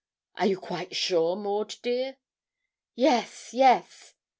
'Are you quite sure, Maud, dear?' 'Yes, yes.'